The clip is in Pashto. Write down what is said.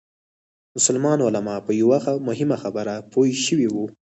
مسلمان علما په یوه مهمه خبره پوه شوي وو.